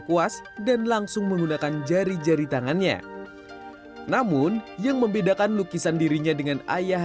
puas dan langsung menggunakan jari jari tangannya namun yang membedakan lukisan dirinya dengan ayah